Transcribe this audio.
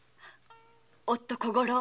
夫・小五郎